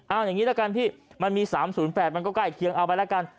อ้าวอย่างนี้แล้วกันพี่มันมี๓๐๘มันก็ไกลเอาไปแล้วกัน